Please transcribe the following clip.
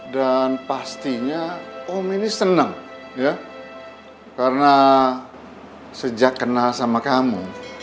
dan pastinya om ini senang ya karena sejak kenal sama kamu